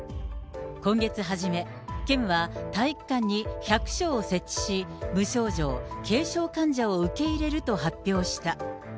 今月初め、県は体育館に１００床を設置し、無症状・軽症患者を受け入れると発表した。